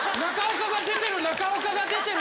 中岡が出てる！